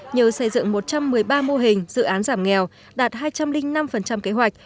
nhờ xây dựng một trăm một mươi ba mô hình dự án giảm nghèo đạt hai trăm linh năm kế hoạch